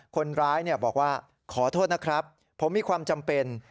คนร้ายบอกว่าขอโทษนะครับผมมีความจำเป็น